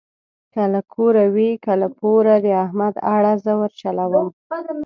که له کوره وي که له پوره د احمد اړه زه ورچلوم.